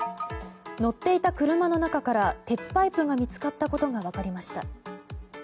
乗っていた車の中から鉄パイプが見つかったことが分かりました。